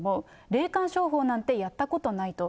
霊感商法なんてやったことないと。